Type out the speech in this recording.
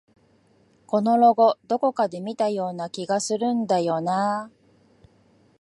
このロゴ、どこかで見たような気がするんだよなあ